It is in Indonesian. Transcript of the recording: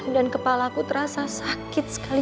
dan kepala aku terasa sakit sekali